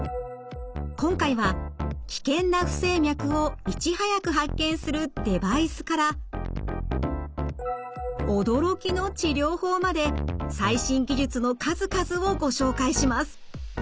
今回は危険な不整脈をいち早く発見するデバイスから驚きの治療法まで最新技術の数々をご紹介します。